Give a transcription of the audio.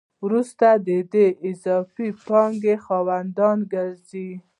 وروسته دوی د اضافي پانګې خاوندان ګرځي